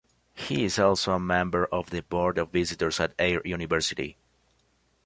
He is also a member of the Board of Visitors at Air University.